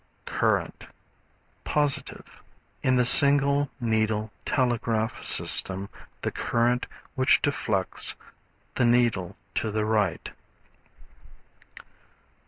Current, Positive. In the single needle telegraph system the current which deflects the needle to the right.